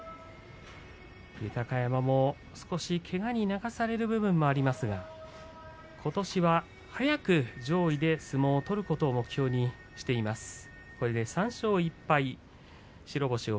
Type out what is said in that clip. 豊山も少しけがに泣かされる部分もありますがことしは早く上位で相撲を取ることを目標にしています。